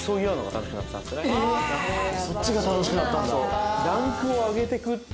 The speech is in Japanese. そっちが楽しくなったんだ。